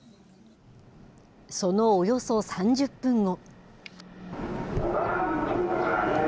そのおよそ３０分後。